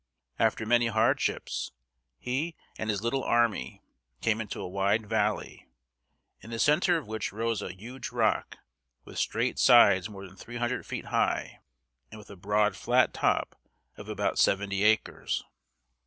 After many hardships, he and his little army came into a wide valley, in the center of which rose a huge rock, with straight sides more than three hundred feet high, and with a broad flat top of about seventy acres.